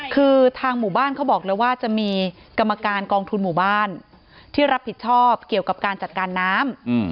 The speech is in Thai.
คือทางหมู่บ้านเขาบอกเลยว่าจะมีกรรมการกองทุนหมู่บ้านที่รับผิดชอบเกี่ยวกับการจัดการน้ำ